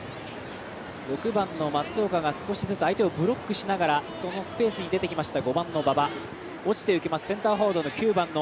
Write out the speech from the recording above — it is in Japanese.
６番の松岡が少しずつ相手をブロックしながらそのスペースに出てきました。